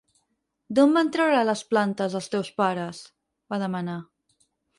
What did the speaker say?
D'on van treure les plantes, els teus pares? —va demanar.